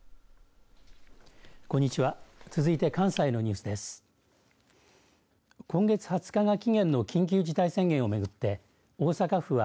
こんにちは。